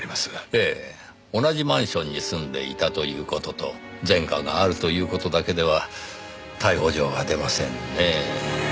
ええ同じマンションに住んでいたという事と前科があるという事だけでは逮捕状は出ませんねぇ。